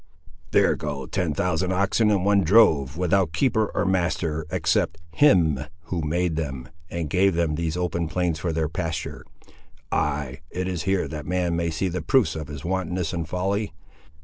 "There go ten thousand oxen in one drove, without keeper or master, except Him who made them, and gave them these open plains for their pasture! Ay, it is here that man may see the proofs of his wantonness and folly!